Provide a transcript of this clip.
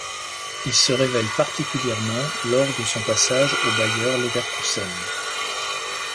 Il se révèle particulièrement lors de son passage au Bayer Leverkusen.